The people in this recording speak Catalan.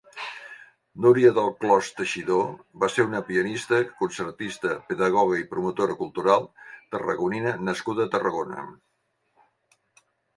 Núria Delclòs Teixidó va ser una pianista, concertista, pedagoga i promotora cultural tarragonina nascuda a Tarragona.